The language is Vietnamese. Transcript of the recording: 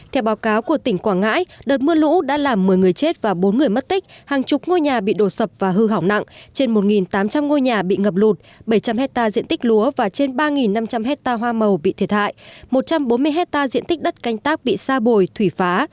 theo báo cáo của tỉnh quảng ngãi đợt mưa lũ đã làm một mươi người chết và bốn người mất tích hàng chục ngôi nhà bị đổ sập và hư hỏng nặng trên một tám trăm linh ngôi nhà bị ngập lụt bảy trăm linh hectare diện tích lúa và trên ba năm trăm linh hectare hoa màu bị thiệt hại một trăm bốn mươi hectare diện tích đất canh tác bị sa bồi thủy phá